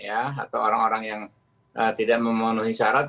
atau orang orang yang tidak memenuhi syarat